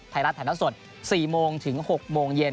ไทยรัฐฐานสด๔โมงถึง๖โมงเย็น